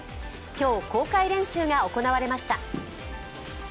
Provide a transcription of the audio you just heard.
今日、公開練習が行われました。